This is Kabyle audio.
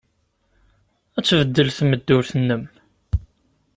Ad tbeddel tmeddurt-nnem.